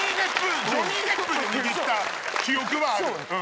ジョニー・デップで握った記憶はある。